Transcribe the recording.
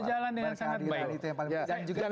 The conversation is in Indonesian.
sudah jalan dengan sangat baik